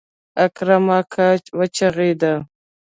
اکرم اکا وچغېده.